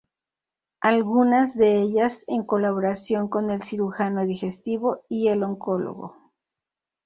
Algunas de ellas en colaboración con el cirujano digestivo y el oncólogo.